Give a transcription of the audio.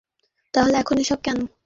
তাহলে এখন এসব কেন?